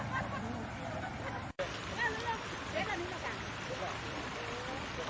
เกิดประมาณนี้ในเมืองแห่งแขนดินที่มีเยี่ยมกับสรุปของในปฏิหาร